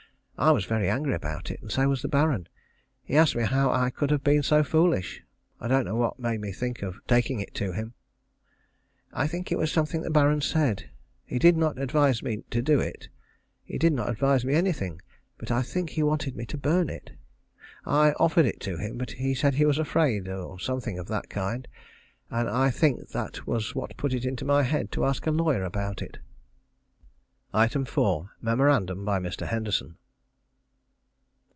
I was very angry about it, and so was the Baron. He asked me how I could have been so foolish. I don't know what made me think of taking it to him. I think it was something the Baron said. He did not advise me to do it. He did not advise me anything, but I think he wanted me to burn it. I offered it to him, but he said he was afraid, or something of that kind, and I think that was what put it into my head to ask the lawyer about it. 4. _Memorandum by Mr. Henderson.